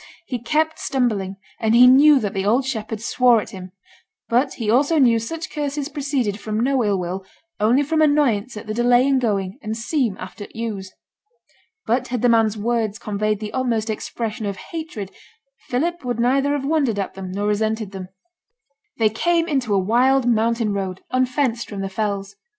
He kept stumbling; and he knew that the old shepherd swore at him; but he also knew such curses proceeded from no ill will, only from annoyance at the delay in going and 'seem' after t' ewes.' But had the man's words conveyed the utmost expression of hatred, Philip would neither have wondered at them, nor resented them. They came into a wild mountain road, unfenced from the fells.